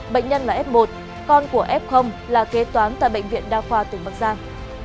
bệnh nhân là f một con của f là kế toán tại bệnh viện đa khoa tỉnh bắc giang